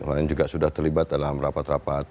kemarin juga sudah terlibat dalam rapat rapat